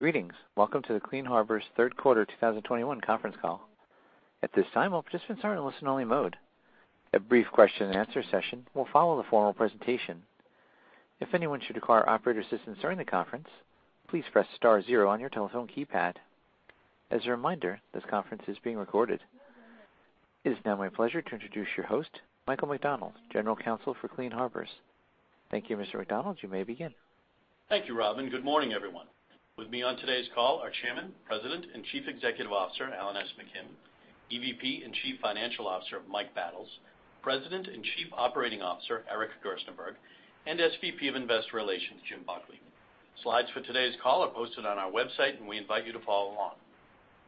Greetings. Welcome to the Clean Harbors Third Quarter 2021 Conference Call. At this time, all participants are in listen-only mode. A brief question-and-answer session will follow the formal presentation. If anyone should require operator assistance during the conference, please press star zero on your telephone keypad. As a reminder, this conference is being recorded. It is now my pleasure to introduce your host, Michael McDonald, General Counsel for Clean Harbors. Thank you, Mr. McDonald. You may begin. Thank you, Robin. Good morning, everyone. With me on today's call are Chairman, President, and Chief Executive Officer Alan S. McKim, EVP and Chief Financial Officer Mike Battles, President and Chief Operating Officer Eric Gerstenberg, and SVP of Investor Relations Jim Buckley. Slides for today's call are posted on our website, and we invite you to follow along.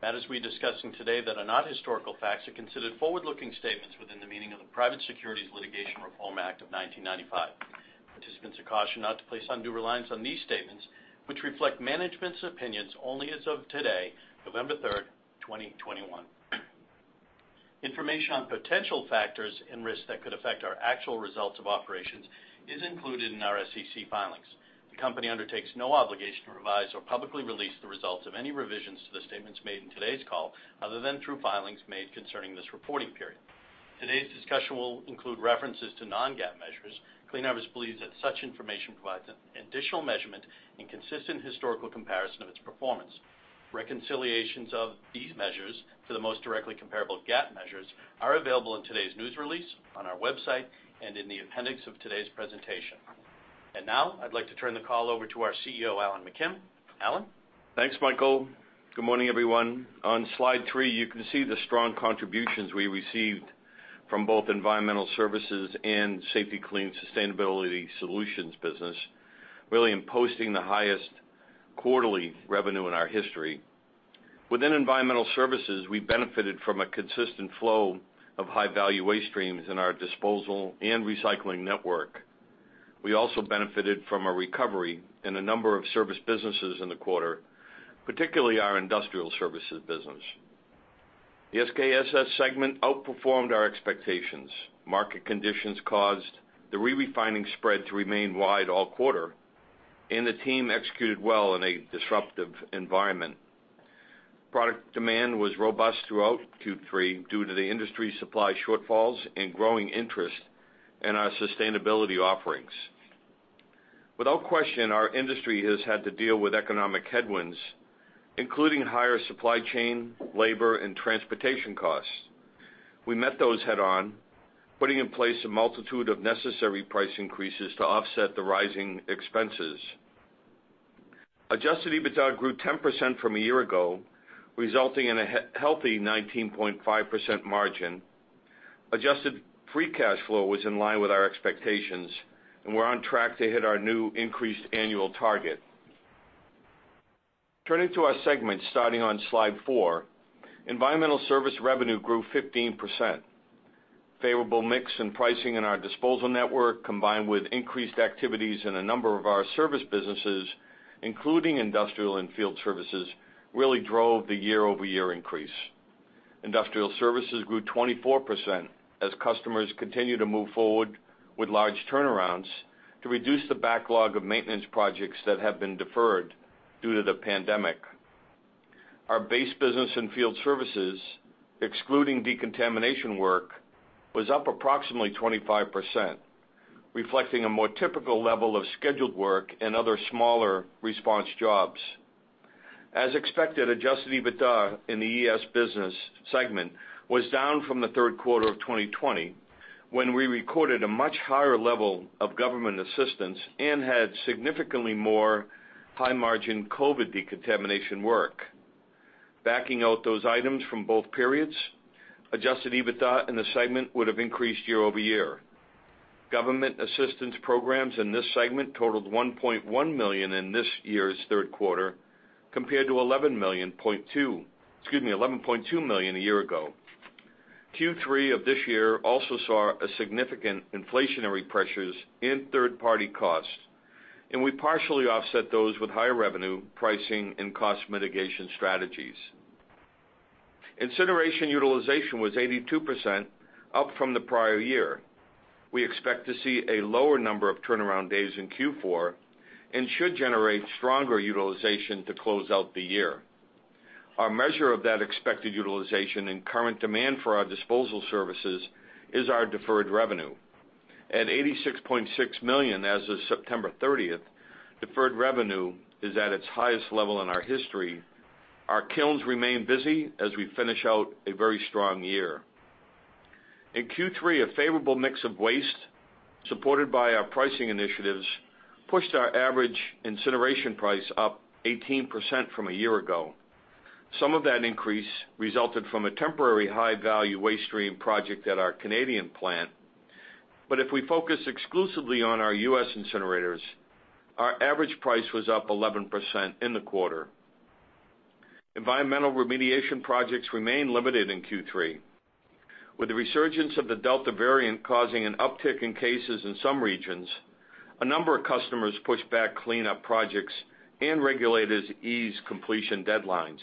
Matters we are discussing today that are not historical facts are considered forward-looking statements within the meaning of the Private Securities Litigation Reform Act of 1995. Participants are cautioned not to place undue reliance on these statements, which reflect management's opinions only as of today, November 3rd, 2021. Information on potential factors and risks that could affect our actual results of operations is included in our SEC filings. The company undertakes no obligation to revise or publicly release the results of any revisions to the statements made in today's call other than through filings made concerning this reporting period. Today's discussion will include references to non-GAAP measures. Clean Harbors believes that such information provides additional measurement and consistent historical comparison of its performance. Reconciliations of these measures for the most directly comparable GAAP measures are available in today's news release, on our website, and in the appendix of today's presentation. And now, I'd like to turn the call over to our CEO, Alan McKim. Alan? Thanks, Michael. Good morning, everyone. On slide three, you can see the strong contributions we received from both Environmental Services and Safety-Kleen Sustainability Solutions business, really resulting in the highest quarterly revenue in our history. Within Environmental Services, we benefited from a consistent flow of high-value waste streams in our disposal and recycling network. We also benefited from a recovery in a number of service businesses in the quarter, particularly our industrial services business. The SKSS segment outperformed our expectations. Market conditions caused the re-refining spread to remain wide all quarter, and the team executed well in a disruptive environment. Product demand was robust throughout Q3 due to the industry's supply shortfalls and growing interest in our sustainability offerings. Without question, our industry has had to deal with economic headwinds, including higher supply chain, labor, and transportation costs. We met those head-on, putting in place a multitude of necessary price increases to offset the rising expenses. Adjusted EBITDA grew 10% from a year ago, resulting in a healthy 19.5% margin. Adjusted free cash flow was in line with our expectations, and we're on track to hit our new increased annual target. Turning to our segment, starting on slide four, Environmental Services revenue grew 15%. Favorable mix and pricing in our disposal network, combined with increased activities in a number of our service businesses, including industrial and field services, really drove the year-over-year increase. Industrial services grew 24% as customers continue to move forward with large turnarounds to reduce the backlog of maintenance projects that have been deferred due to the pandemic. Our base business in field services, excluding decontamination work, was up approximately 25%, reflecting a more typical level of scheduled work and other smaller response jobs. As expected, Adjusted EBITDA in the ES business segment was down from the third quarter of 2020 when we recorded a much higher level of government assistance and had significantly more high-margin COVID decontamination work. Backing out those items from both periods, Adjusted EBITDA in the segment would have increased year-over-year. Government assistance programs in this segment totaled $1.1 million in this year's third quarter, compared to $11.2 million a year ago. Q3 of this year also saw significant inflationary pressures and third-party costs, and we partially offset those with higher revenue, pricing, and cost mitigation strategies. Incineration utilization was 82%, up from the prior year. We expect to see a lower number of turnaround days in Q4 and should generate stronger utilization to close out the year. Our measure of that expected utilization and current demand for our disposal services is our deferred revenue. At $86.6 million as of September 30th, deferred revenue is at its highest level in our history. Our kilns remain busy as we finish out a very strong year. In Q3, a favorable mix of waste, supported by our pricing initiatives, pushed our average incineration price up 18% from a year ago. Some of that increase resulted from a temporary high-value waste stream project at our Canadian plant. But if we focus exclusively on our U.S. incinerators, our average price was up 11% in the quarter. Environmental remediation projects remain limited in Q3. With the resurgence of the Delta variant causing an uptick in cases in some regions, a number of customers pushed back cleanup projects, and regulators eased completion deadlines.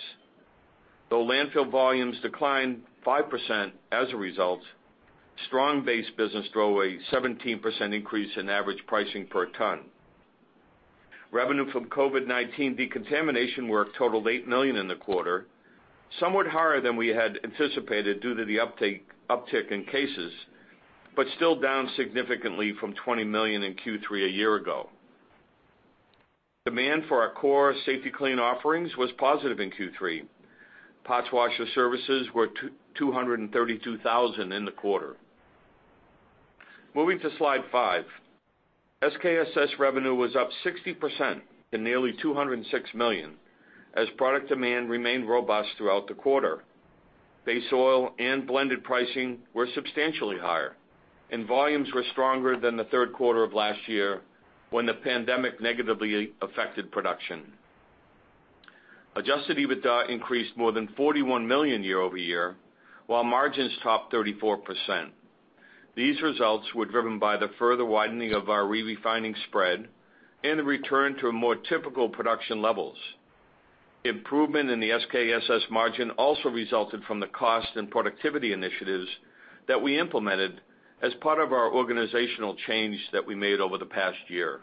Though landfill volumes declined 5% as a result, strong base business drove a 17% increase in average pricing per ton. Revenue from COVID-19 decontamination work totaled $8 million in the quarter, somewhat higher than we had anticipated due to the uptick in cases, but still down significantly from $20 million in Q3 a year ago. Demand for our core Safety-Kleen offerings was positive in Q3. Parts washer services were 232,000 in the quarter. Moving to slide five, SKSS revenue was up 60% to nearly $206 million as product demand remained robust throughout the quarter. Base oil and blended pricing were substantially higher, and volumes were stronger than the third quarter of last year when the pandemic negatively affected production. Adjusted EBITDA increased more than $41 million year-over-year, while margins topped 34%. These results were driven by the further widening of our re-refining spread and the return to more typical production levels. Improvement in the SKSS margin also resulted from the cost and productivity initiatives that we implemented as part of our organizational change that we made over the past year.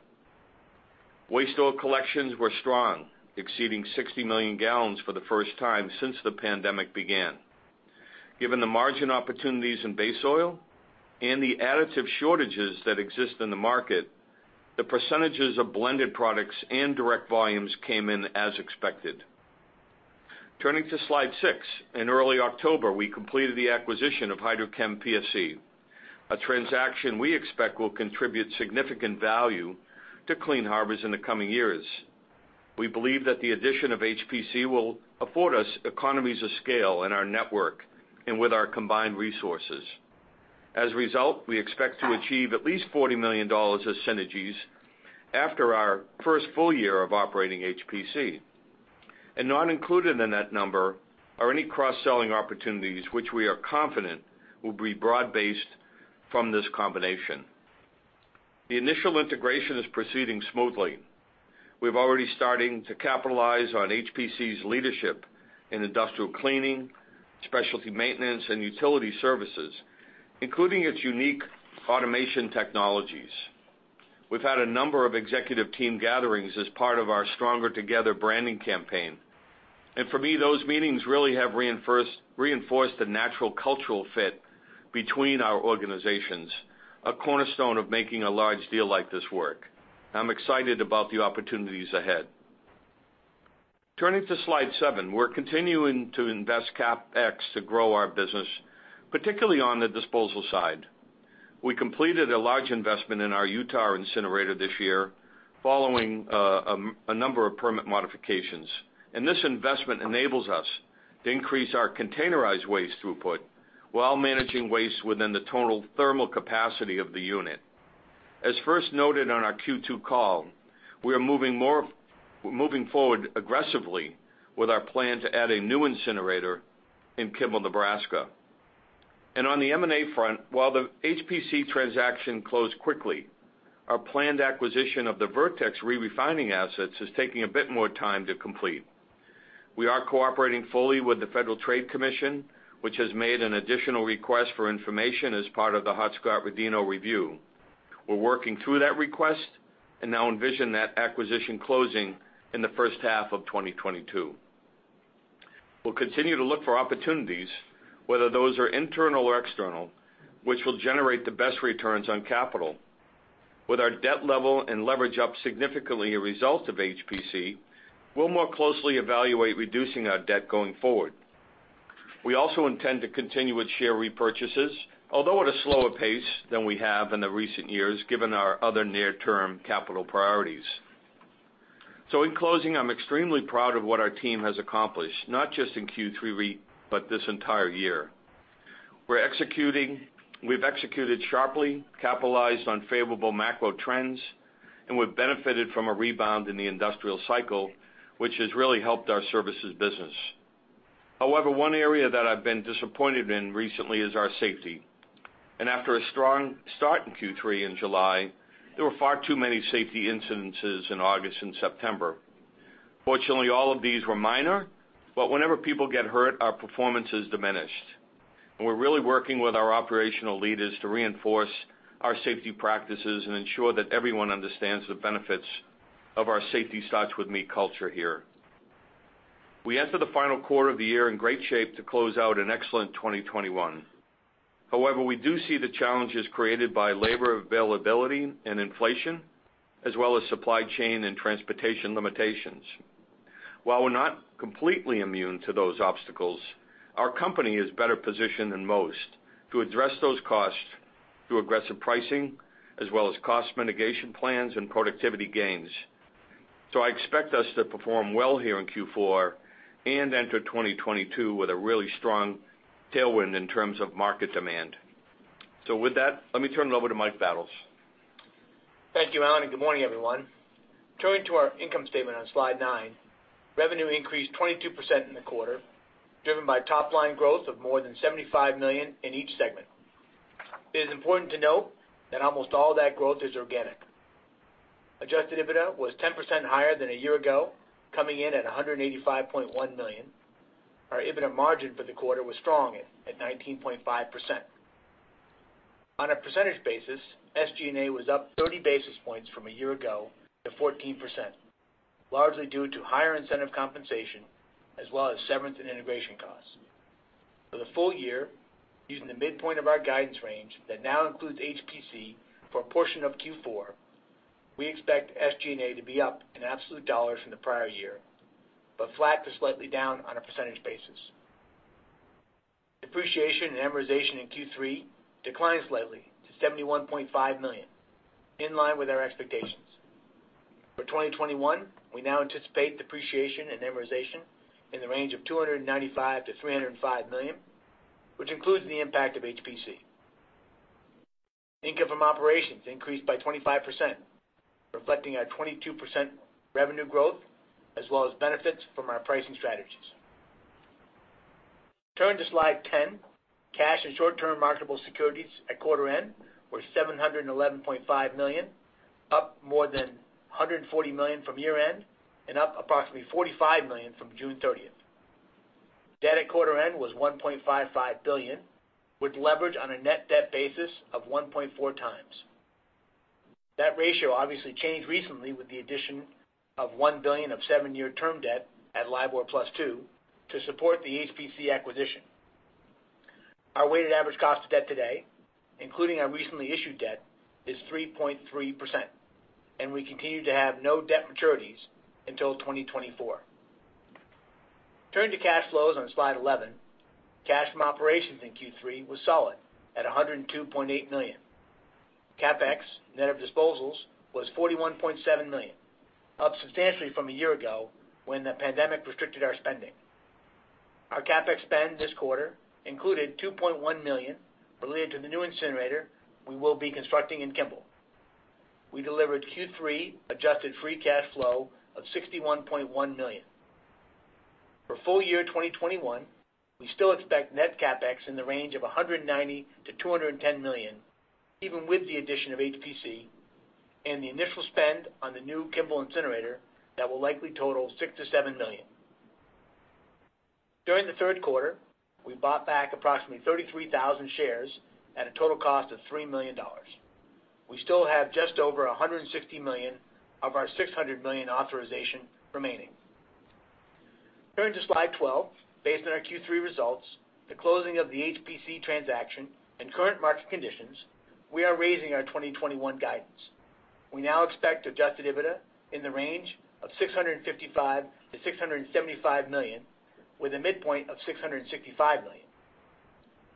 Waste oil collections were strong, exceeding 60 million gallons for the first time since the pandemic began. Given the margin opportunities in base oil and the additive shortages that exist in the market, the percentages of blended products and direct volumes came in as expected. Turning to slide six, in early October, we completed the acquisition of HydroChemPSC, a transaction we expect will contribute significant value to Clean Harbors in the coming years. We believe that the addition of HPC will afford us economies of scale in our network and with our combined resources. As a result, we expect to achieve at least $40 million as synergies after our first full year of operating HPC. Not included in that number are any cross-selling opportunities which we are confident will be broad-based from this combination. The initial integration is proceeding smoothly. We're already starting to capitalize on HPC's leadership in industrial cleaning, specialty maintenance, and utility services, including its unique automation technologies. We've had a number of executive team gatherings as part of our Stronger Together branding campaign. For me, those meetings really have reinforced the natural cultural fit between our organizations, a cornerstone of making a large deal like this work. I'm excited about the opportunities ahead. Turning to slide seven, we're continuing to invest CapEx to grow our business, particularly on the disposal side. We completed a large investment in our Utah incinerator this year following a number of permit modifications. This investment enables us to increase our containerized waste throughput while managing waste within the total thermal capacity of the unit. As first noted on our Q2 call, we are moving forward aggressively with our plan to add a new incinerator in Kimball, Nebraska. On the M&A front, while the HPC transaction closed quickly, our planned acquisition of the Vertex re-refining assets is taking a bit more time to complete. We are cooperating fully with the Federal Trade Commission, which has made an additional request for information as part of the Hart-Scott-Rodino review. We're working through that request and now envision that acquisition closing in the first half of 2022. We'll continue to look for opportunities, whether those are internal or external, which will generate the best returns on capital. With our debt level and leverage up significantly, a result of HPC, we'll more closely evaluate reducing our debt going forward. We also intend to continue with share repurchases, although at a slower pace than we have in the recent years given our other near-term capital priorities. So in closing, I'm extremely proud of what our team has accomplished, not just in Q3, but this entire year. We've executed sharply, capitalized on favorable macro trends, and we've benefited from a rebound in the industrial cycle, which has really helped our services business. However, one area that I've been disappointed in recently is our safety. And after a strong start in Q3 in July, there were far too many safety incidents in August and September. Fortunately, all of these were minor, but whenever people get hurt, our performance is diminished. And we're really working with our operational leaders to reinforce our safety practices and ensure that everyone understands the benefits of our safety starts with me culture here. We entered the final quarter of the year in great shape to close out an excellent 2021. However, we do see the challenges created by labor availability and inflation, as well as supply chain and transportation limitations. While we're not completely immune to those obstacles, our company is better positioned than most to address those costs through aggressive pricing, as well as cost mitigation plans and productivity gains. So I expect us to perform well here in Q4 and enter 2022 with a really strong tailwind in terms of market demand. So with that, let me turn it over to Mike Battles. Thank you, Alan. And good morning, everyone. Turning to our income statement on slide nine, revenue increased 22% in the quarter, driven by top-line growth of more than $75 million in each segment. It is important to note that almost all that growth is organic. Adjusted EBITDA was 10% higher than a year ago, coming in at $185.1 million. Our EBITDA margin for the quarter was strong at 19.5%. On a percentage basis, SG&A was up 30 basis points from a year ago to 14%, largely due to higher incentive compensation, as well as severance and integration costs. For the full year, using the midpoint of our guidance range that now includes HPC for a portion of Q4, we expect SG&A to be up in absolute dollars from the prior year, but flat to slightly down on a percentage basis. Depreciation and amortization in Q3 declined slightly to $71.5 million, in line with our expectations. For 2021, we now anticipate depreciation and amortization in the range of $295-$305 million, which includes the impact of HPC. Income from operations increased by 25%, reflecting our 22% revenue growth, as well as benefits from our pricing strategies. Turning to slide 10, cash and short-term marketable securities at quarter end were $711.5 million, up more than $140 million from year-end, and up approximately $45 million from June 30th. Debt at quarter end was $1.55 billion, with leverage on a net debt basis of 1.4x. That ratio obviously changed recently with the addition of $1 billion of seven-year term debt at LIBOR+2% to support the HPC acquisition. Our weighted average cost of debt today, including our recently issued debt, is 3.3%. We continue to have no debt maturities until 2024. Turning to cash flows on slide 11, cash from operations in Q3 was solid at $102.8 million. CapEx, net of disposals, was $41.7 million, up substantially from a year ago when the pandemic restricted our spending. Our CapEx spend this quarter included $2.1 million related to the new incinerator we will be constructing in Kimball. We delivered Q3 adjusted free cash flow of $61.1 million. For full year 2021, we still expect net CapEx in the range of $190 million-$210 million, even with the addition of HPC and the initial spend on the new Kimball incinerator that will likely total $6 million-$7 million. During the third quarter, we bought back approximately 33,000 shares at a total cost of $3 million. We still have just over $160 million of our $600 million authorization remaining. Turning to slide 12, based on our Q3 results, the closing of the HPC transaction, and current market conditions, we are raising our 2021 guidance. We now expect Adjusted EBITDA in the range of $655 million-$675 million, with a midpoint of $665 million.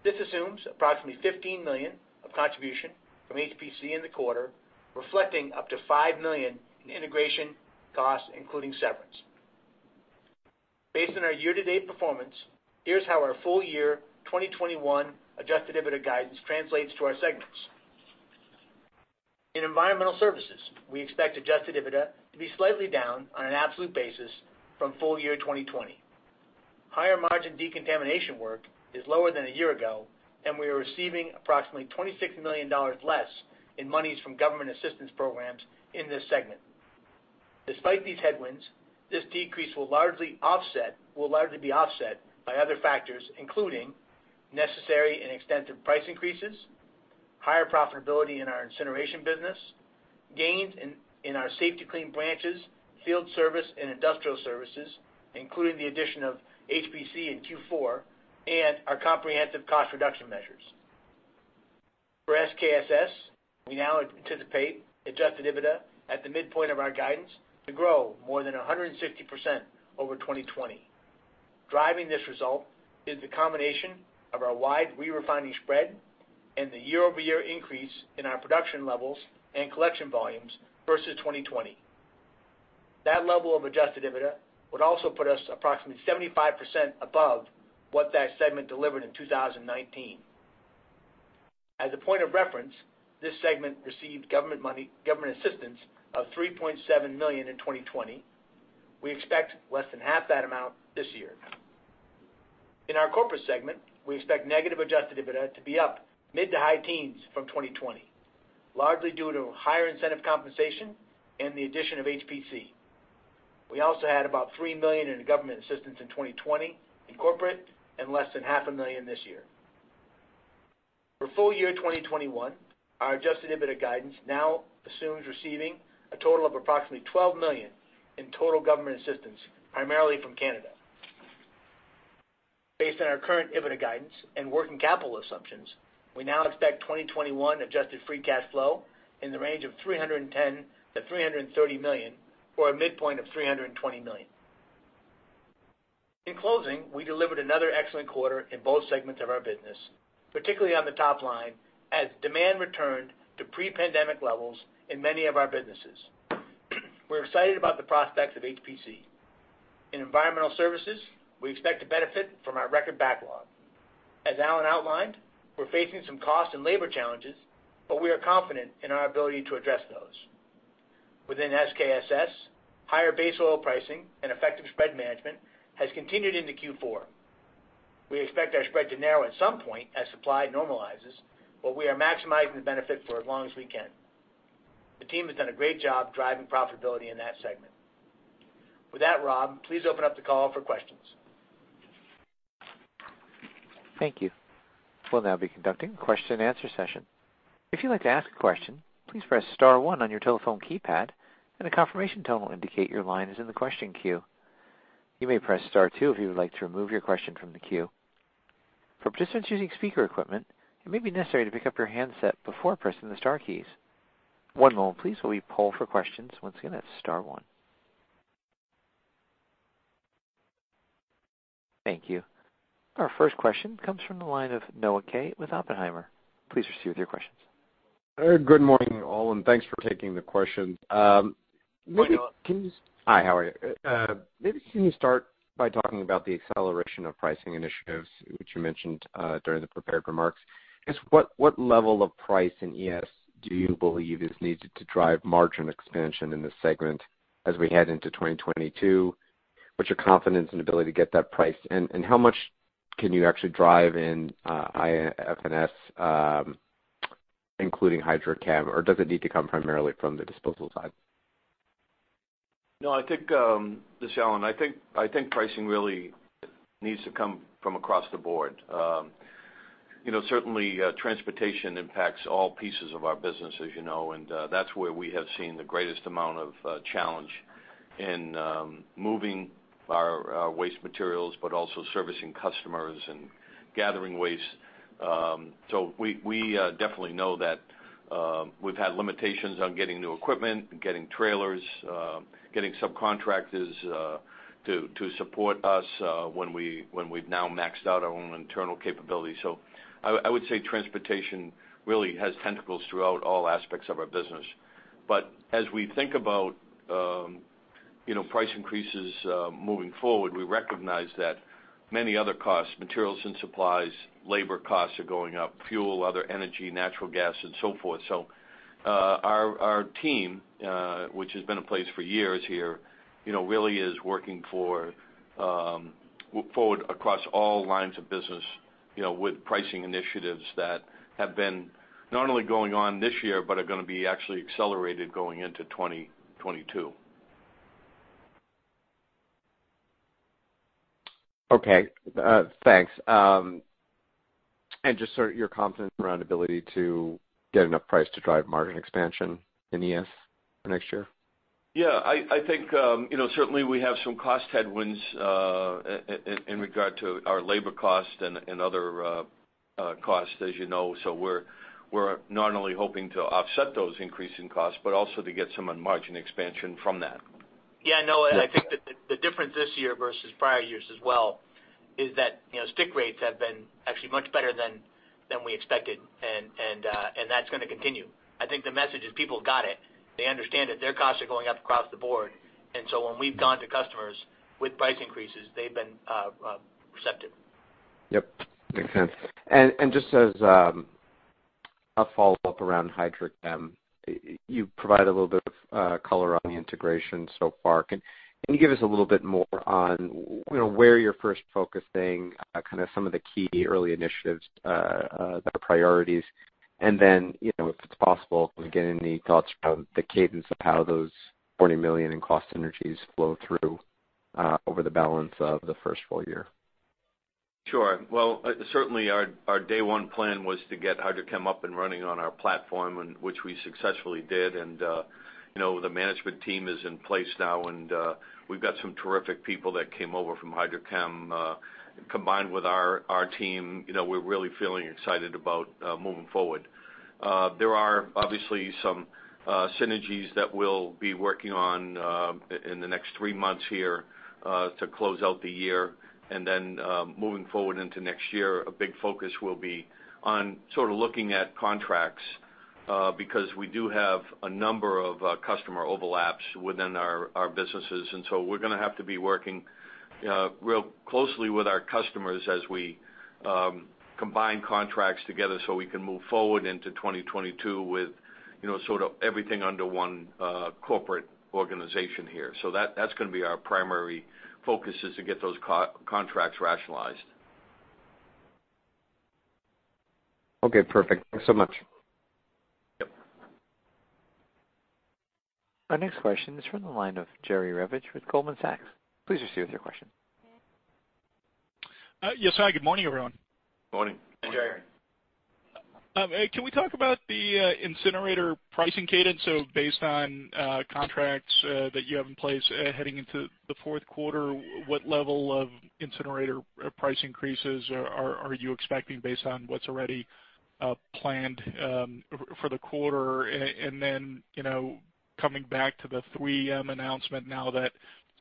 This assumes approximately $15 million of contribution from HPC in the quarter, reflecting up to $5 million in integration costs, including severance. Based on our year-to-date performance, here's how our full year 2021 Adjusted EBITDA guidance translates to our segments. In environmental services, we expect Adjusted EBITDA to be slightly down on an absolute basis from full year 2020. Higher margin decontamination work is lower than a year ago, and we are receiving approximately $26 million less in monies from government assistance programs in this segment. Despite these headwinds, this decrease will largely be offset by other factors, including necessary and extensive price increases, higher profitability in our incineration business, gains in our Safety-Kleen branches, field service, and industrial services, including the addition of HPC in Q4, and our comprehensive cost reduction measures. For SKSS, we now anticipate adjusted EBITDA at the midpoint of our guidance to grow more than 160% over 2020. Driving this result is the combination of our wide re-refining spread and the year-over-year increase in our production levels and collection volumes versus 2020. That level of adjusted EBITDA would also put us approximately 75% above what that segment delivered in 2019. As a point of reference, this segment received government assistance of $3.7 million in 2020. We expect less than half that amount this year. In our corporate segment, we expect negative adjusted EBITDA to be up mid to high teens from 2020, largely due to higher incentive compensation and the addition of HPC. We also had about $3 million in government assistance in 2020 in corporate and less than $500,000 this year. For full year 2021, our adjusted EBITDA guidance now assumes receiving a total of approximately $12 million in total government assistance, primarily from Canada. Based on our current EBITDA guidance and working capital assumptions, we now expect 2021 adjusted free cash flow in the range of $310 million-$330 million for a midpoint of $320 million. In closing, we delivered another excellent quarter in both segments of our business, particularly on the top line, as demand returned to pre-pandemic levels in many of our businesses. We're excited about the prospects of HPC. In environmental services, we expect to benefit from our record backlog. As Alan outlined, we're facing some cost and labor challenges, but we are confident in our ability to address those. Within SKSS, higher base oil pricing and effective spread management has continued into Q4. We expect our spread to narrow at some point as supply normalizes, but we are maximizing the benefit for as long as we can. The team has done a great job driving profitability in that segment. With that, Rob, please open up the call for questions. Thank you. We'll now be conducting a question-and-answer session. If you'd like to ask a question, please press star one on your telephone keypad, and a confirmation tone will indicate your line is in the question queue. You may press star two if you would like to remove your question from the queue. For participants using speaker equipment, it may be necessary to pick up your handset before pressing the star keys. One moment, please, while we poll for questions. Once again, that's star one. Thank you. Our first question comes from the line of Noah Kaye with Oppenheimer. Please proceed with your questions. Good morning, Alan. Thanks for taking the question. Hi, how are you? Maybe can you start by talking about the acceleration of pricing initiatives, which you mentioned during the prepared remarks? What level of price in ES do you believe is needed to drive margin expansion in this segment as we head into 2022? What's your confidence and ability to get that price? And how much can you actually drive in IFS, including HydroChem? Or does it need to come primarily from the disposal side? No, this is Alan. I think pricing really needs to come from across the board. Certainly, transportation impacts all pieces of our business, as you know, and that's where we have seen the greatest amount of challenge in moving our waste materials, but also servicing customers and gathering waste. So we definitely know that we've had limitations on getting new equipment, getting trailers, getting subcontractors to support us when we've now maxed out our own internal capability. So I would say transportation really has tentacles throughout all aspects of our business. But as we think about price increases moving forward, we recognize that many other costs, materials and supplies, labor costs are going up, fuel, other energy, natural gas, and so forth. So our team, which has been in place for years here, really is working forward across all lines of business with pricing initiatives that have been not only going on this year, but are going to be actually accelerated going into 2022. Okay. Thanks. And just your confidence around ability to get enough price to drive margin expansion in ES for next year? Yeah. I think certainly we have some cost headwinds in regard to our labor costs and other costs, as you know. So we're not only hoping to offset those increasing costs, but also to get some margin expansion from that. Yeah. No, I think that the difference this year versus prior years as well is that stick rates have been actually much better than we expected, and that's going to continue. I think the message is people got it. They understand that their costs are going up across the board. And so when we've gone to customers with price increases, they've been receptive. Yep. Makes sense. And just as a follow-up around HydroChem, you provided a little bit of color on the integration so far. Can you give us a little bit more on where you're first focusing, kind of some of the key early initiatives, their priorities? And then if it's possible, again, any thoughts around the cadence of how those $40 million in cost synergies flow through over the balance of the first full year? Sure. Well, certainly our day-one plan was to get HydroChem up and running on our platform, which we successfully did, and the management team is in place now, and we've got some terrific people that came over from HydroChem combined with our team. We're really feeling excited about moving forward. There are obviously some synergies that we'll be working on in the next three months here to close out the year, and then moving forward into next year, a big focus will be on sort of looking at contracts because we do have a number of customer overlaps within our businesses, and so we're going to have to be working real closely with our customers as we combine contracts together so we can move forward into 2022 with sort of everything under one corporate organization here. So that's going to be our primary focus is to get those contracts rationalized. Okay. Perfect. Thanks so much. Yep. Our next question is from the line of Jerry Revich with Goldman Sachs. Please proceed with your question. Yes, hi. Good morning, everyone. Morning. Hi, Jerry. Can we talk about the incinerator pricing cadence? So based on contracts that you have in place heading into the fourth quarter, what level of incinerator price increases are you expecting based on what's already planned for the quarter? And then coming back to the 3M announcement now that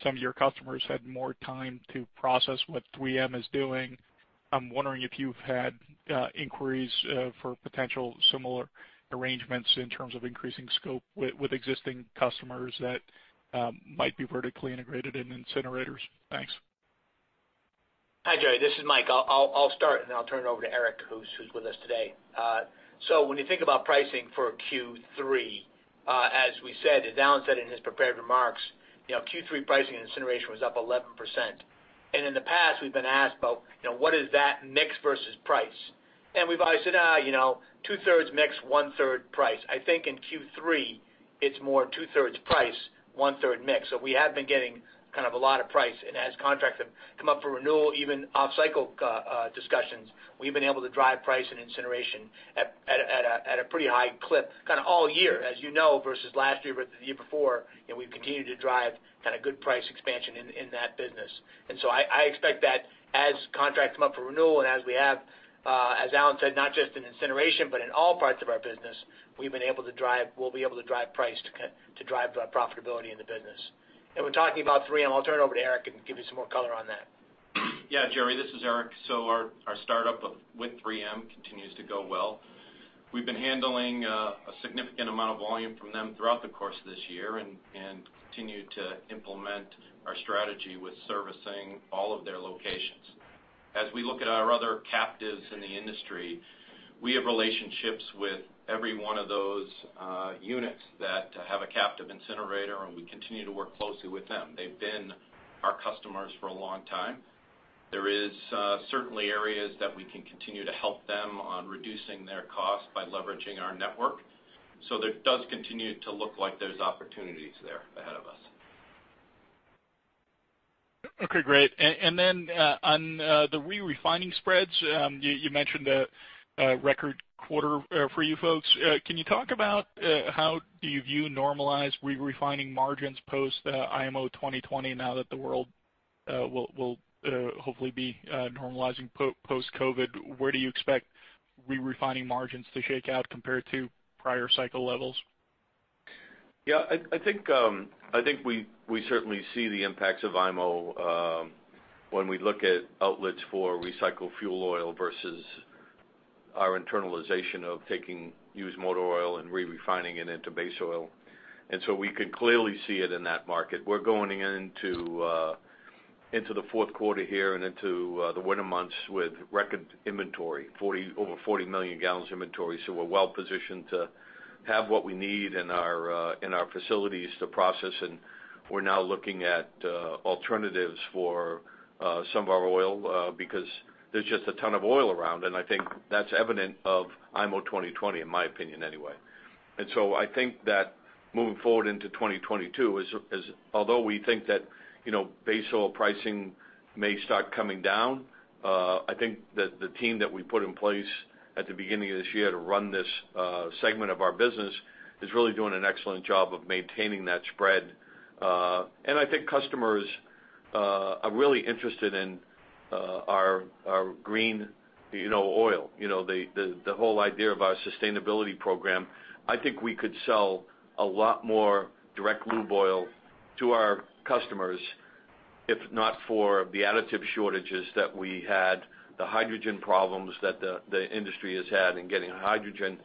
some of your customers had more time to process what 3M is doing, I'm wondering if you've had inquiries for potential similar arrangements in terms of increasing scope with existing customers that might be vertically integrated in incinerators. Thanks. Hi, Jerry. This is Mike. I'll start, and then I'll turn it over to Eric, who's with us today. So when you think about pricing for Q3, as we said, Alan said in his prepared remarks, Q3 pricing incineration was up 11%. And in the past, we've been asked about what is that mix versus price. And we've always said, "Two-thirds mix, one-third price." I think in Q3, it's more 2/3 price, 1/3 mix. So we have been getting kind of a lot of price. And as contracts have come up for renewal, even off-cycle discussions, we've been able to drive price and incineration at a pretty high clip kind of all year, as you know, versus last year or the year before. We've continued to drive kind of good price expansion in that business. And so I expect that as contracts come up for renewal and as we have, as Alan said, not just in incineration, but in all parts of our business, we've been able to drive. We'll be able to drive price to drive profitability in the business. And we're talking about 3M, and I'll turn it over to Eric and give you some more color on that. Yeah, Jerry, this is Eric. So our startup with 3M continues to go well. We've been handling a significant amount of volume from them throughout the course of this year and continue to implement our strategy with servicing all of their locations. As we look at our other captives in the industry, we have relationships with every one of those units that have a captive incinerator, and we continue to work closely with them. They've been our customers for a long time. There are certainly areas that we can continue to help them on reducing their costs by leveraging our network. So there does continue to look like there's opportunities there ahead of us. Okay. Great. And then on the re-refining spreads, you mentioned the record quarter for you folks. Can you talk about how do you view normalized re-refining margins post-IMO 2020 now that the world will hopefully be normalizing post-COVID? Where do you expect re-refining margins to shake out compared to prior cycle levels? Yeah. I think we certainly see the impacts of IMO when we look at outlets for recycled fuel oil versus our internalization of taking used motor oil and re-refining it into base oil. And so we can clearly see it in that market. We're going into the fourth quarter here and into the winter months with record inventory, over 40 million gallons inventory. So we're well positioned to have what we need in our facilities to process. And we're now looking at alternatives for some of our oil because there's just a ton of oil around. And I think that's evident of IMO 2020, in my opinion, anyway. And so I think that moving forward into 2022, although we think that base oil pricing may start coming down, I think that the team that we put in place at the beginning of this year to run this segment of our business is really doing an excellent job of maintaining that spread. And I think customers are really interested in our green oil, the whole idea of our sustainability program. I think we could sell a lot more direct lube oil to our customers if not for the additive shortages that we had, the hydrogen problems that the industry has had in getting hydrogen.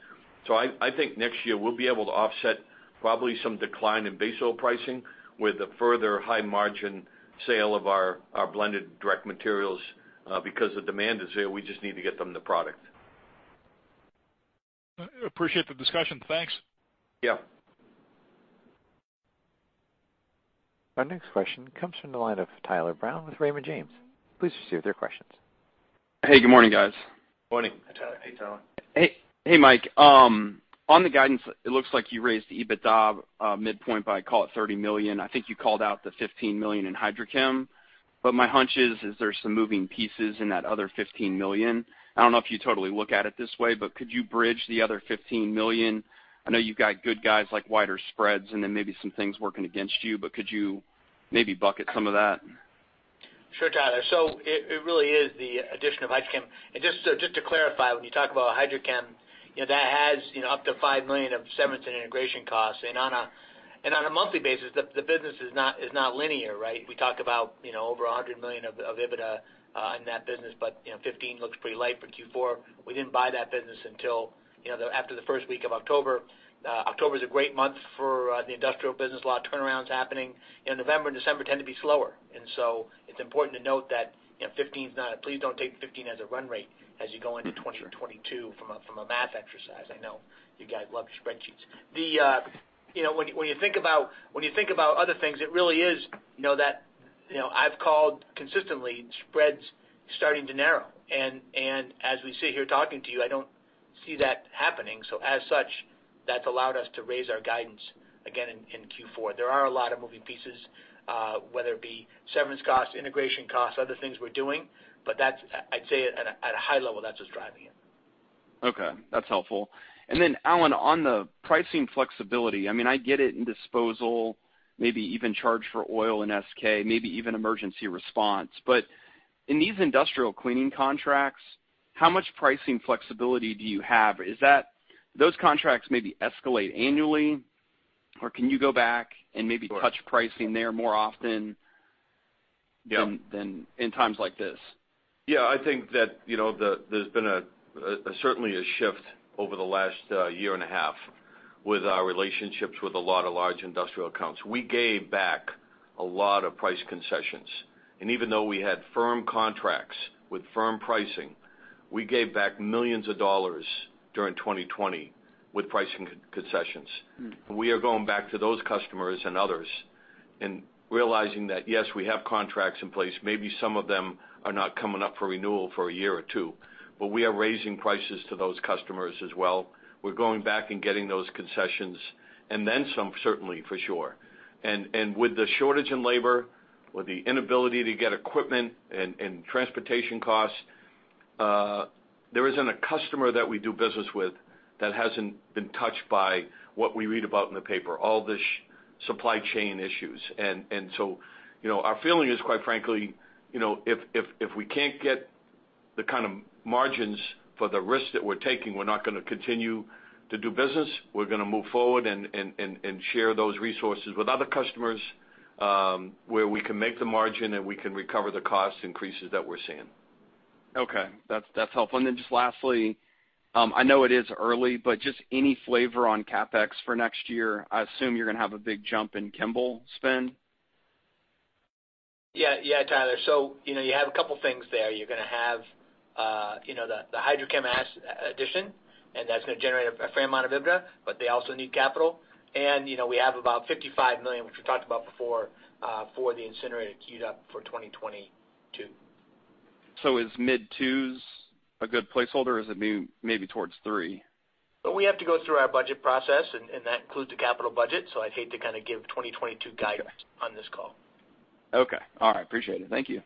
So I think next year we'll be able to offset probably some decline in base oil pricing with a further high-margin sale of our blended direct materials because the demand is there. We just need to get them the product. Appreciate the discussion. Thanks. Yeah. Our next question comes from the line of Tyler Brown with Raymond James. Please proceed with your questions. Hey, good morning, guys. Morning. Hey, Tyler. Hey, Tyler. Hey, Mike. On the guidance, it looks like you raised the EBITDA midpoint by, call it, $30 million. I think you called out the $15 million in HydroChem. But my hunch is there's some moving pieces in that other $15 million. I don't know if you totally look at it this way, but could you bridge the other $15 million? I know you've got good guys like wider spreads and then maybe some things working against you, but could you maybe bucket some of that? Sure, Tyler. So it really is the addition of HydroChem. And just to clarify, when you talk about HydroChem, that has up to $5 million of severance and integration costs. And on a monthly basis, the business is not linear, right? We talk about over $100 million of EBITDA in that business, but $15 million looks pretty light for Q4. We didn't buy that business until after the first week of October. October is a great month for the industrial business. A lot of turnarounds happening. November and December tend to be slower. And so it's important to note that $15 million is not a, please don't take $15 million as a run rate as you go into 2022 from a math exercise. I know you guys love your spreadsheets. When you think about other things, it really is that I've called consistently spreads starting to narrow. As we sit here talking to you, I don't see that happening. As such, that's allowed us to raise our guidance again in Q4. There are a lot of moving pieces, whether it be severance costs, integration costs, other things we're doing. I'd say at a high level, that's what's driving it. Okay. That's helpful. And then, Alan, on the pricing flexibility, I mean, I get it in disposal, maybe even charge for oil and SK, maybe even emergency response. But in these industrial cleaning contracts, how much pricing flexibility do you have? Those contracts maybe escalate annually, or can you go back and maybe touch pricing there more often than in times like this? Yeah. I think that there's been certainly a shift over the last year and a half with our relationships with a lot of large industrial accounts. We gave back a lot of price concessions, and even though we had firm contracts with firm pricing, we gave back millions of dollars during 2020 with pricing concessions. We are going back to those customers and others and realizing that, yes, we have contracts in place. Maybe some of them are not coming up for renewal for a year or two, but we are raising prices to those customers as well. We're going back and getting those concessions, and then some certainly, for sure. And with the shortage in labor, with the inability to get equipment and transportation costs, there isn't a customer that we do business with that hasn't been touched by what we read about in the paper, all the supply chain issues. And so our feeling is, quite frankly, if we can't get the kind of margins for the risks that we're taking, we're not going to continue to do business. We're going to move forward and share those resources with other customers where we can make the margin and we can recover the cost increases that we're seeing. Okay. That's helpful, and then just lastly, I know it is early, but just any flavor on CapEx for next year? I assume you're going to have a big jump in Kimball spend? Yeah. Yeah, Tyler. So you have a couple of things there. You're going to have the HydroChem addition, and that's going to generate a fair amount of EBITDA, but they also need capital. And we have about $55 million, which we talked about before, for the incinerator queued up for 2022. So is mid-two a good placeholder, or is it maybe towards three? But we have to go through our budget process, and that includes the capital budget. So I'd hate to kind of give 2022 guidance on this call. Okay. All right. Appreciate it. Thank you.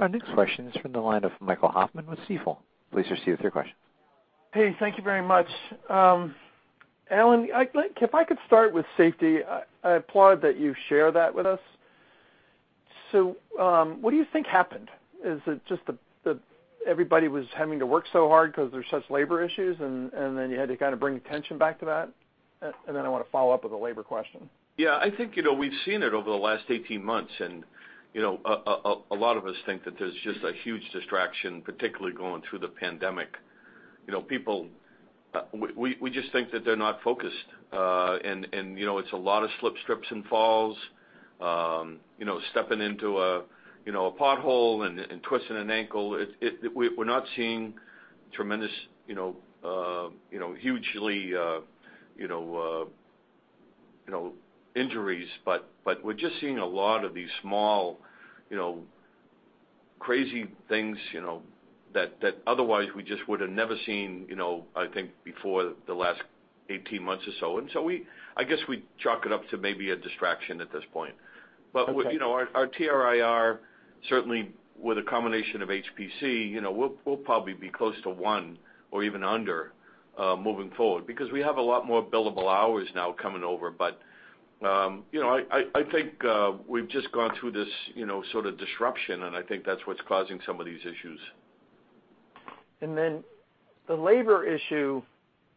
Our next question is from the line of Michael Hoffman with Stifel. Please proceed with your questions. Hey, thank you very much. Alan, if I could start with safety, I applaud that you share that with us. So what do you think happened? Is it just that everybody was having to work so hard because there's such labor issues, and then you had to kind of bring attention back to that? And then I want to follow up with a labor question. Yeah. I think we've seen it over the last 18 months, and a lot of us think that there's just a huge distraction, particularly going through the pandemic. We just think that they're not focused. And it's a lot of slips, trips, and falls, stepping into a pothole and twisting an ankle. We're not seeing tremendous, hugely injuries, but we're just seeing a lot of these small crazy things that otherwise we just would have never seen, I think, before the last 18 months or so. And so I guess we chalk it up to maybe a distraction at this point. But our TRIR, certainly with a combination of HPC, we'll probably be close to one or even under moving forward because we have a lot more billable hours now coming over. But I think we've just gone through this sort of disruption, and I think that's what's causing some of these issues. And then the labor issue,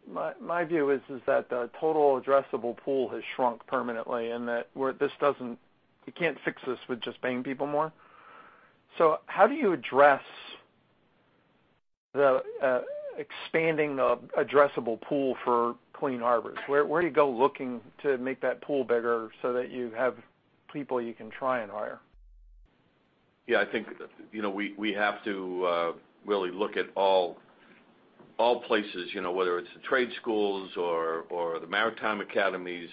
my view is that the total addressable pool has shrunk permanently and that you can't fix this with just paying people more. So how do you address expanding the addressable pool for Clean Harbors? Where do you go looking to make that pool bigger so that you have people you can try and hire? Yeah. I think we have to really look at all places, whether it's the trade schools or the maritime academies.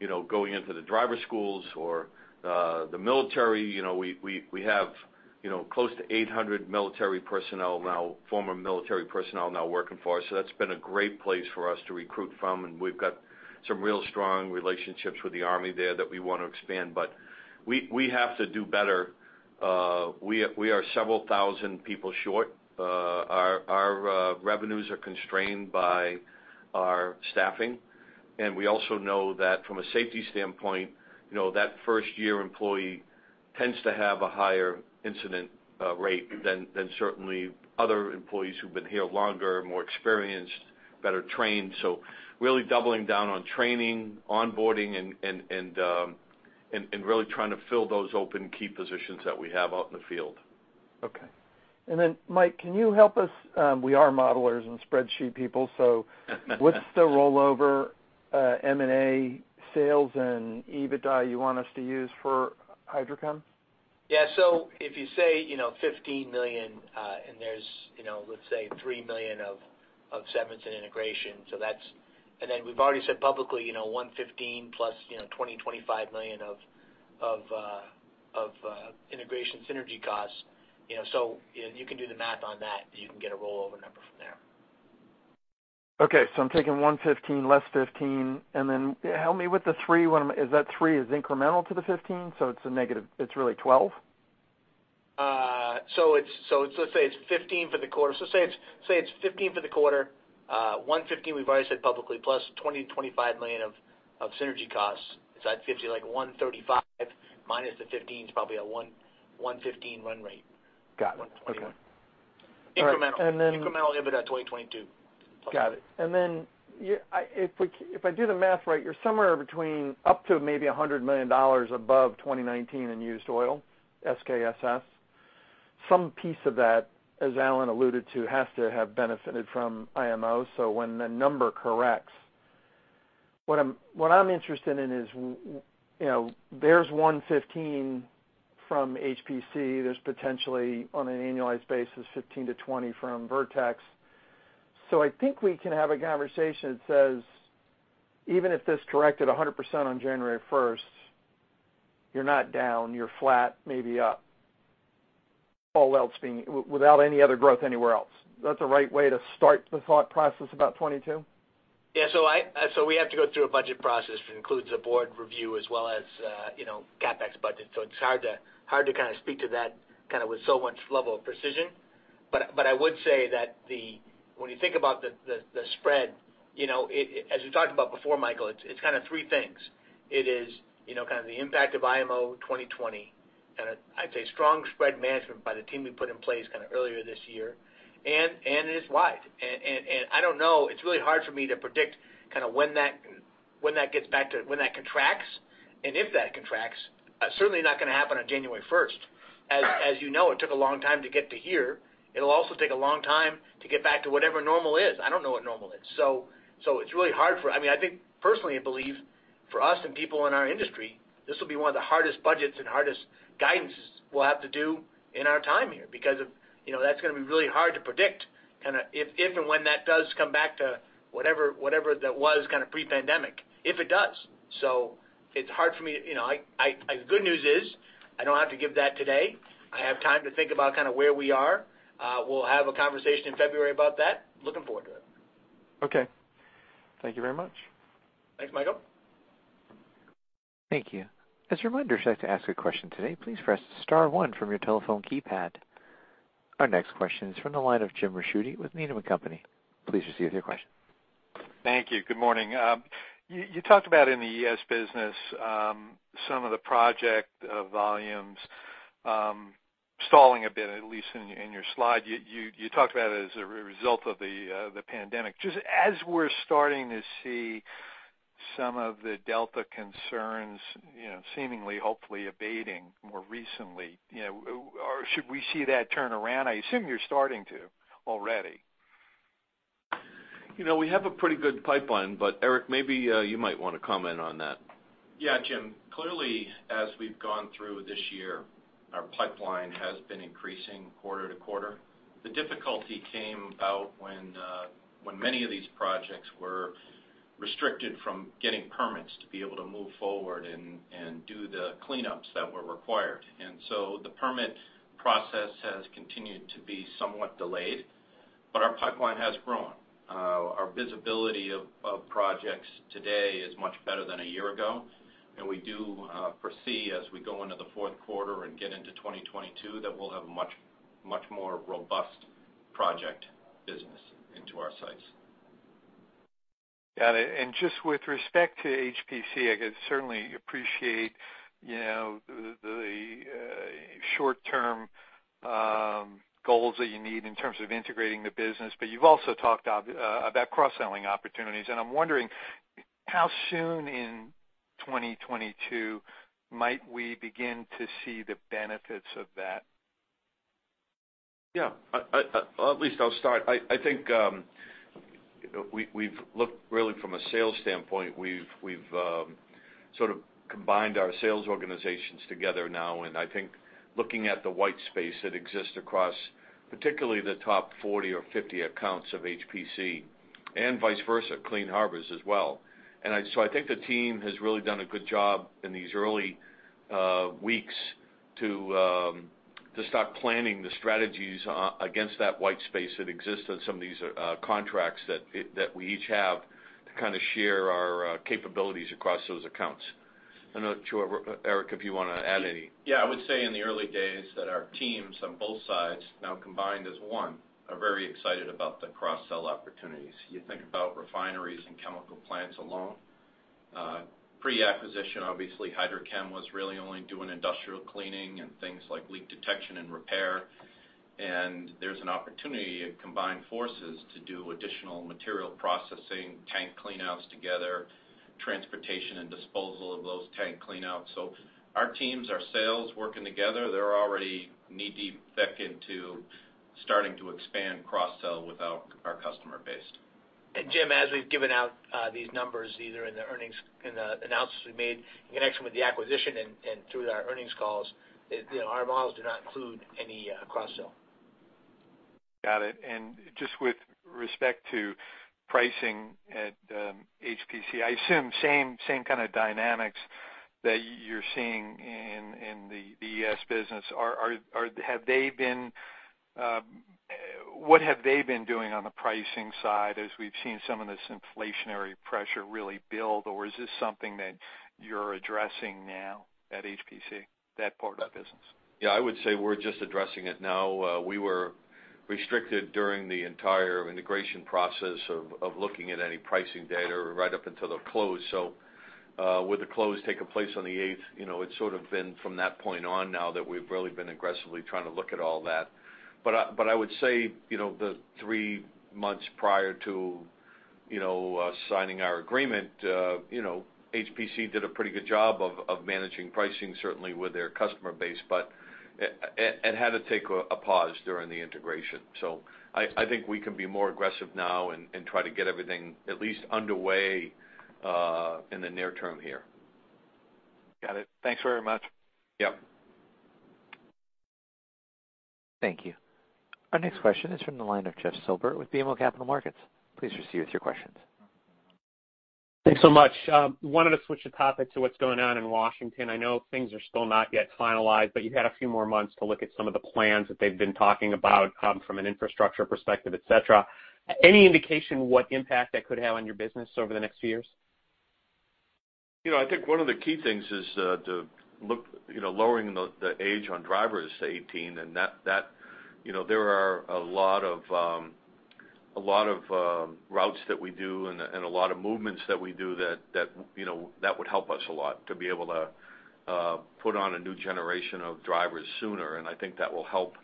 It's going into the driver schools or the military. We have close to 800 military personnel now, former military personnel now working for us. So that's been a great place for us to recruit from. And we've got some real strong relationships with the army there that we want to expand. But we have to do better. We are several thousand people short. Our revenues are constrained by our staffing. And we also know that from a safety standpoint, that first-year employee tends to have a higher incident rate than certainly other employees who've been here longer, more experienced, better trained. So really doubling down on training, onboarding, and really trying to fill those open key positions that we have out in the field. Okay, and then, Mike, can you help us? We are modelers and spreadsheet people, so what's the rollover M&A sales and EBITDA you want us to use for HydroChem? Yeah. So if you say $15 million and there's, let's say, $3 million of severance and integration. And then we've already said publicly $115 million +$20 million-$25 million of integration synergy costs. So you can do the math on that. You can get a rollover number from there. Okay. So I'm taking 115, -15. And then help me with the 3. Is that 3 incremental to the 15? So it's a negative. It's really 12? So let's say it's $15 for the quarter. $115 we've already said publicly, +$20 million-$25 million of synergy costs. It's at $50, like $135 -$15 is probably a $115 run rate. Got it. Okay. Incremental EBITDA 2022. Got it, and then if I do the math right, you're somewhere between up to maybe $100 million above 2019 in used oil, SKSS. Some piece of that, as Alan alluded to, has to have benefited from IMO, so when the number corrects, what I'm interested in is there's $115 million from HPC. There's potentially, on an annualized basis, $15 million-$20 million from Vertex, so I think we can have a conversation that says, "Even if this corrected 100% on January 1st, you're not down. You're flat, maybe up," without any other growth anywhere else. That's a right way to start the thought process about 2022? Yeah. So we have to go through a budget process that includes a board review as well as CapEx budget. So it's hard to kind of speak to that kind of with so much level of precision. But I would say that when you think about the spread, as we talked about before, Michael, it's kind of three things. It is kind of the impact of IMO 2020, and I'd say strong spread management by the team we put in place kind of earlier this year. And it is wide. And I don't know. It's really hard for me to predict kind of when that gets back to when that contracts. And if that contracts, certainly not going to happen on January 1st. As you know, it took a long time to get to here. It'll also take a long time to get back to whatever normal is. I don't know what normal is, so it's really hard for, I mean, I think personally, I believe for us and people in our industry, this will be one of the hardest budgets and hardest guidance we'll have to do in our time here because that's going to be really hard to predict, kind of if and when that does come back to whatever that was kind of pre-pandemic, if it does, so it's hard for me. The good news is I don't have to give that today, I have time to think about kind of where we are. We'll have a conversation in February about that, looking forward to it. Okay. Thank you very much. Thanks, Michael. Thank you. As a reminder, if you'd like to ask a question today, please press star 1 from your telephone keypad. Our next question is from the line of Jim Ricchiuti with Needham & Company. Please proceed with your question. Thank you. Good morning. You talked about in the ES business, some of the project volumes stalling a bit, at least in your slide. You talked about it as a result of the pandemic. Just as we're starting to see some of the Delta concerns seemingly, hopefully, abating more recently, should we see that turn around? I assume you're starting to already. We have a pretty good pipeline, but Eric, maybe you might want to comment on that. Yeah, Jim. Clearly, as we've gone through this year, our pipeline has been increasing quarter to quarter. The difficulty came about when many of these projects were restricted from getting permits to be able to move forward and do the cleanups that were required, and so the permit process has continued to be somewhat delayed, but our pipeline has grown. Our visibility of projects today is much better than a year ago, and we do foresee, as we go into the fourth quarter and get into 2022, that we'll have a much more robust project business into our sites. Got it. And just with respect to HPC, I certainly appreciate the short-term goals that you need in terms of integrating the business. But you've also talked about cross-selling opportunities. And I'm wondering, how soon in 2022 might we begin to see the benefits of that? Yeah. At least I'll start. I think we've looked really from a sales standpoint. We've sort of combined our sales organizations together now, and I think looking at the white space that exists across particularly the top 40 or 50 accounts of HPC and vice versa, Clean Harbors as well. And so I think the team has really done a good job in these early weeks to start planning the strategies against that white space that exists in some of these contracts that we each have to kind of share our capabilities across those accounts. I'm not sure, Eric, if you want to add any. Yeah. I would say in the early days that our teams on both sides now combined as one are very excited about the cross-sell opportunities. You think about refineries and chemical plants alone. Pre-acquisition, obviously, HydroChem was really only doing industrial cleaning and things like leak detection and repair. And there's an opportunity to combine forces to do additional material processing, tank cleanouts together, transportation and disposal of those tank cleanouts. So our teams, our sales working together, they're already knee-deep, thick into starting to expand cross-sell without our customer base. And Jim, as we've given out these numbers either in the earnings in the announcements we made in connection with the acquisition and through our earnings calls, our models do not include any cross-sell. Got it. And just with respect to pricing at HPC, I assume same kind of dynamics that you're seeing in the ES business. Have they been? What have they been doing on the pricing side as we've seen some of this inflationary pressure really build? Or is this something that you're addressing now at HPC, that part of the business? Yeah. I would say we're just addressing it now. We were restricted during the entire integration process of looking at any pricing data right up until the close. So with the close taking place on the 8th, it's sort of been from that point on now that we've really been aggressively trying to look at all that. But I would say the three months prior to signing our agreement, HPC did a pretty good job of managing pricing, certainly with their customer base, but it had to take a pause during the integration. So I think we can be more aggressive now and try to get everything at least underway in the near term here. Got it. Thanks very much. Yep. Thank you. Our next question is from the line of Jeff Silber with BMO Capital Markets. Please proceed with your questions. Thanks so much. Wanted to switch the topic to what's going on in Washington. I know things are still not yet finalized, but you had a few more months to look at some of the plans that they've been talking about from an infrastructure perspective, etc. Any indication what impact that could have on your business over the next few years? I think one of the key things is to look lowering the age on drivers to 18. And there are a lot of routes that we do and a lot of movements that we do that would help us a lot to be able to put on a new generation of drivers sooner. And I think that will help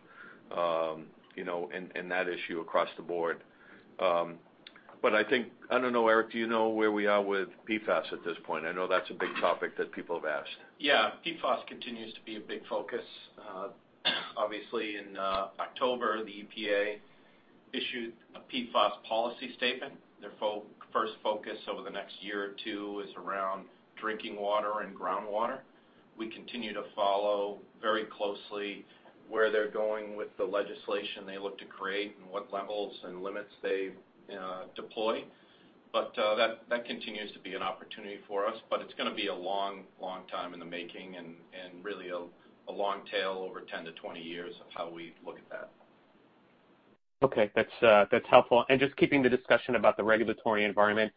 in that issue across the board. But I think, I don't know, Eric, do you know where we are with PFAS at this point? I know that's a big topic that people have asked. Yeah. PFAS continues to be a big focus. Obviously, in October, the EPA issued a PFAS policy statement. Their first focus over the next year or two is around drinking water and groundwater. We continue to follow very closely where they're going with the legislation they look to create and what levels and limits they deploy. But that continues to be an opportunity for us. But it's going to be a long, long time in the making and really a long tail over 10-20 years of how we look at that. Okay. That's helpful. And just keeping the discussion about the regulatory environment,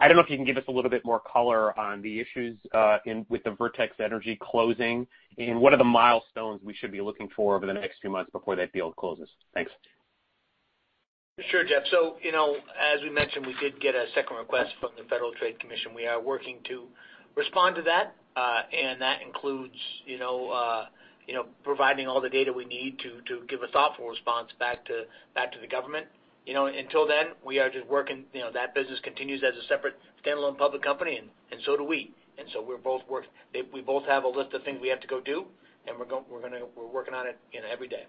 I don't know if you can give us a little bit more color on the issues with the Vertex Energy closing and what are the milestones we should be looking for over the next few months before that deal closes? Thanks. Sure, Jeff. So as we mentioned, we did get a second request from the Federal Trade Commission. We are working to respond to that. And that includes providing all the data we need to give a thoughtful response back to the government. Until then, we are just working, that business continues as a separate standalone public company, and so do we. And so we're both working, we both have a list of things we have to go do, and we're working on it every day.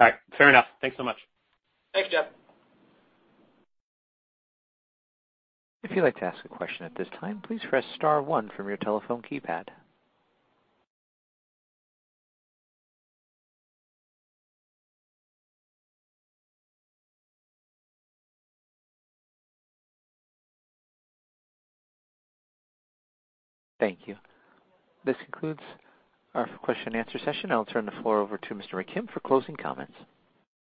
All right. Fair enough. Thanks so much. Thanks, Jeff. If you'd like to ask a question at this time, please press star 1 from your telephone keypad. Thank you. This concludes our question-and-answer session. I'll turn the floor over to Mr. McKim for closing comments.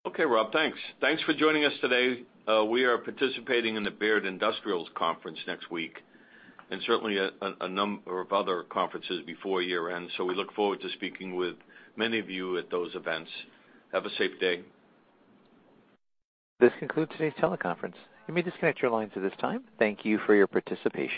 Okay, Rob, thanks. Thanks for joining us today. We are participating in the Baird Industrials Conference next week and certainly a number of other conferences before year-end. So we look forward to speaking with many of you at those events. Have a safe day. This concludes today's teleconference. You may disconnect your lines at this time. Thank you for your participation.